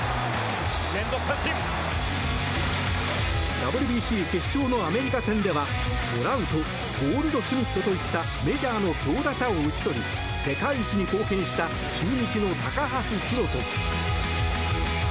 ＷＢＣ決勝のアメリカ戦ではトラウトゴールドシュミットといったメジャーの強打者を打ち取り世界一に貢献した中日の高橋宏斗。